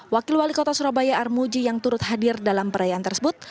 wakil wali kota surabaya armuji yang turut hadir dalam perayaan tersebut